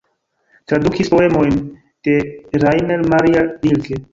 Tradukis poemojn de Rainer Maria Rilke.